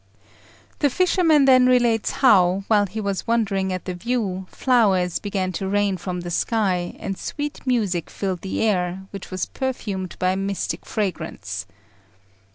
The fisherman then relates how, while he was wondering at the view, flowers began to rain from the sky, and sweet music filled the air, which was perfumed by a mystic fragrance.